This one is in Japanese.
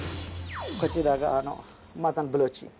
こちらがあのマトンブローチ。